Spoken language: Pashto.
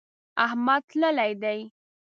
احمد تللی دی.